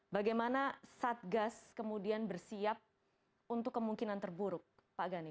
bagaimana satgas kemudian bersiap untuk kemungkinan terburuk pak gani